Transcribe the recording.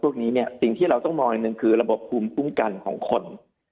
พวกนี้เนี่ยสิ่งที่เราต้องมองหนึ่งคือระบบภูมิคุ้มกันของคน